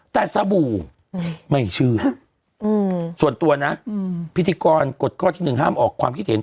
แต่สบู่ไม่เชื่อส่วนตัวนะพิธีกรกฎข้อที่๑ห้ามออกความคิดเห็น